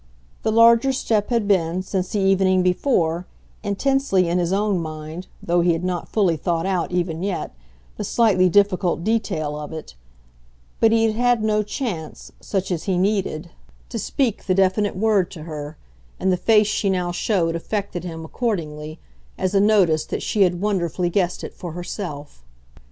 The larger step had been, since the evening before, intensely in his own mind, though he had not fully thought out, even yet, the slightly difficult detail of it; but he had had no chance, such as he needed, to speak the definite word to her, and the face she now showed affected him, accordingly, as a notice that she had wonderfully guessed it for herself.